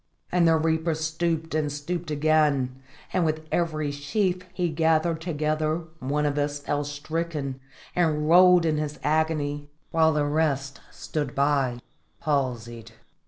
And the reaper stooped and stooped again, and with every sheaf he gathered together one of us fell stricken and rolled in his agony, while the rest stood by palsied.